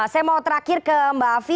saya mau terakhir ke mbak afi